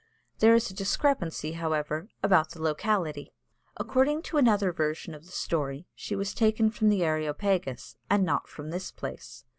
There is a discrepancy, however, about the locality. According to another version of the story, she was taken from the Areopagus, and not from this place.